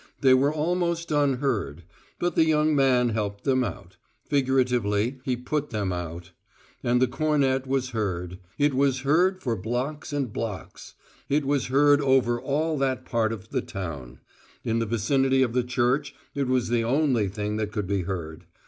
They were almost unheard; but the young man helped them out: figuratively, he put them out. And the cornet was heard: it was heard for blocks and blocks; it was heard over all that part of the town in the vicinity of the church it was the only thing that could be heard.